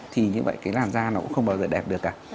thì như vậy cái làn da nó cũng không bao giờ đẹp được cả